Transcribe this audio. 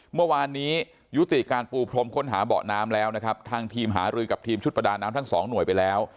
เมื่อวานนี้ยุติการปูพรมค้นหาเบาะน้ำแล้วนะครับทางทีมหารือกับทีมชุดประดาน้ำทั้งสองหน่วยไปแล้ว